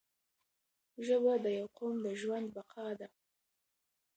ژبه د یو قوم د ژوند بقا ده